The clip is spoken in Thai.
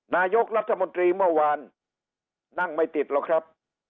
นายกรัฐมนตรีเมื่อวานนั่งไม่ติดหรอกครับ